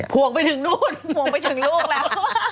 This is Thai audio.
ห่วงไปถึงนู่นห่วงไปถึงลูกแล้ว